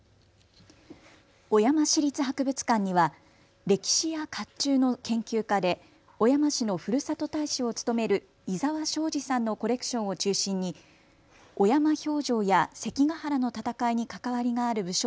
小山市立博物館には歴史やかっちゅうの研究家で小山市のふるさと大使を務める伊澤昭二さんのコレクションを中心に小山評定や関ヶ原の戦いに関わりがある武将